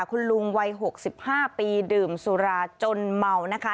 คุณลุงวัยหกสิบห้าปีดื่มสุราจนเมานะคะ